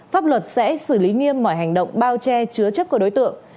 pháp luật sẽ xử lý nghiêm mọi hành động bao che chứa chấp của đối tượng